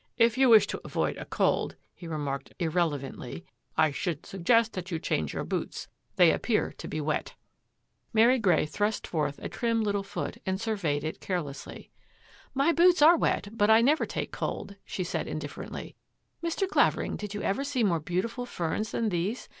" If you wish to avoid a cold," he remarked irrelevantly, " I should sug gest that you change your boots. They appear to be wet." 90 CLUE OF THE BROKEN CRUTCH 91 Mary Grey thrust forth a trim little foot and surveyed it carelessly. " My boots are wet, but I never take cold,'* she said indifferently. " Mr. Clavering, did you ever see more beautiful ferns than these?